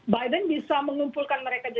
biden bisa mengumpulkan mereka